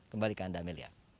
kembalikan anda amelia